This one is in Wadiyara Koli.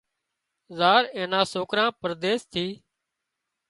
زار اين نا سوڪرا پرديس ٿي